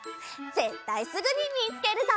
ぜったいすぐにみつけるぞ！